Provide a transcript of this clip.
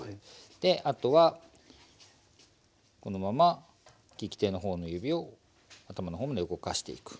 であとはこのまま利き手の方の指を頭の方まで動かしていく。